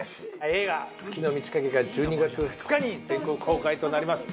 映画『月の満ち欠け』が１２月２日に全国公開となります。